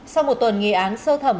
sau một tuần nghi án sơ thẩm